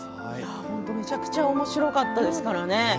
めちゃくちゃおもしろかったですからね。